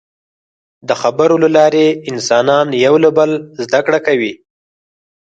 د خبرو له لارې انسانان یو له بله زدهکړه کوي.